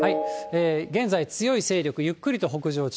現在、強い勢力、ゆっくりと北上中。